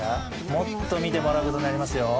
もっと見てもらうことになりますよ。